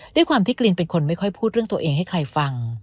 ด้วยความที่กรีนเป็นคนไม่ค่อยพูดเรื่องตัวเองให้ใครฟัง